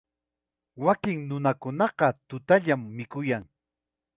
Wakin nunakunaqa tutallam mikuyan.